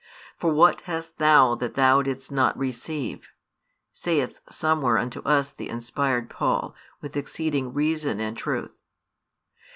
For what hast thou that thou didst not receive? saith somewhere unto us the inspired Paul, with exceeding reason and truth.